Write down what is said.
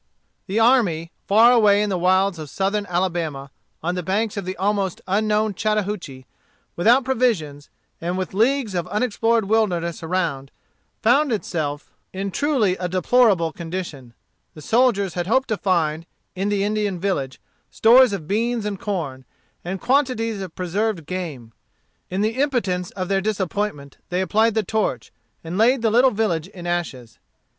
The army, far away in the wilds of Southern Alabama, on the banks of the almost unknown Chattahoochee, without provisions, and with leagues of unexplored wilderness around, found itself in truly a deplorable condition. The soldiers had hoped to find, in the Indian village, stores of beans and corn, and quantities of preserved game. In the impotence of their disappointment they applied the torch, and laid the little village in ashes.